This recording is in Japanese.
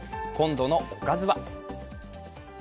今度のおかずは？